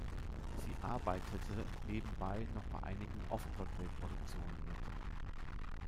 Sie arbeitete nebenbei auch bei einigen Off-Broadway-Produktionen mit.